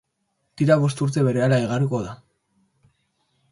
Tira, bost urte berehala igaroko dira.